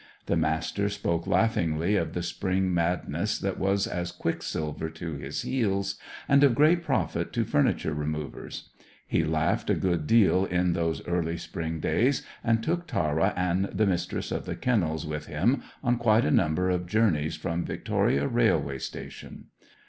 The Master spoke laughingly of the spring madness that was as quicksilver to his heels, and of great profit to furniture removers. He laughed a good deal in those early spring days, and took Tara and the Mistress of the Kennels with him on quite a number of journeys from Victoria railway station.